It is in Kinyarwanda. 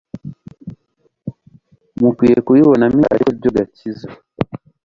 Mukwiye kubibonamo inzira, ariko sibyo gakiza.